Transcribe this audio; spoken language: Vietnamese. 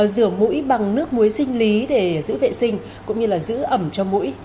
rửa mũi bằng nước muối sinh lý để giữ vệ sinh cũng như là giữ ẩm cho mũi